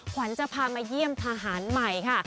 ขวัญจะพามาเยี่ยมทหารใหม่ค่ะ